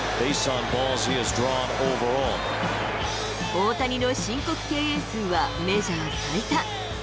大谷の申告敬遠数はメジャー最多。